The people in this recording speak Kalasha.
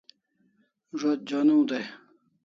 Zo't joniu dai